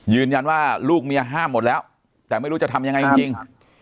ยืนยันว่าลูกเมียห้ามหมดแล้วแต่ไม่รู้จะทำยังไงจริง